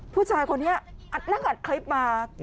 ผู้ชายคนนี้นั่งอัดคลิปมา